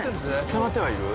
繋がってはいる。